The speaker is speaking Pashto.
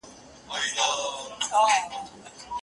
ولي زوجينو ته د خپل ملګري بدن ته کتل حلال دي؟